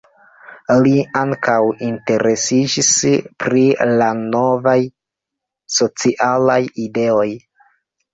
Li ankaŭ interesiĝis pri la novaj socialaj ideoj.